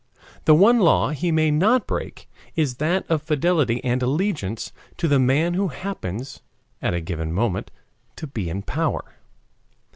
The one law he may not break is that of fidelity and allegiance to the man who happens at a given moment to be in power.